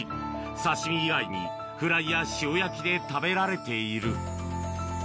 刺身以外にフライや塩焼きで食べられている。